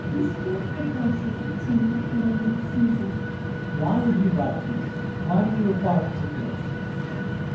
_—— Hotel. Why would you write to me? Why do you require particulars?